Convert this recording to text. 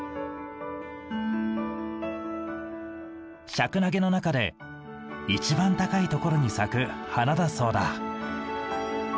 シャクナゲの中で一番高いところに咲く花だそうだ。